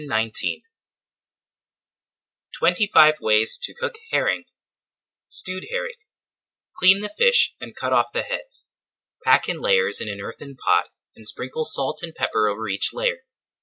[Page 197] TWENTY FIVE WAYS TO COOK HERRING STEWED HERRING Clean the fish and cut off the heads. Pack in layers in an earthen pot, and sprinkle salt and pepper over each layer.